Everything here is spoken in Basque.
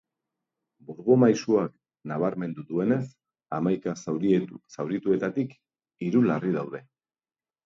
Burgumaisuak nabarmendu duenez, hamaika zaurituetatik hiru larri daude.